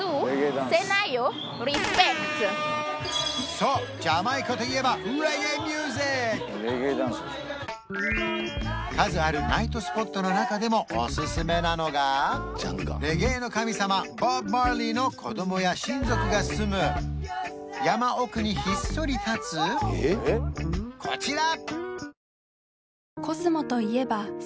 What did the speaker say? そうジャマイカといえば数あるナイトスポットの中でもおすすめなのがレゲエの神様ボブ・マーリーの子供や親族が住む山奥にひっそり立つこちら